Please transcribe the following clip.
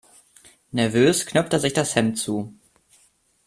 Nervös knöpft er sich das Hemd zu.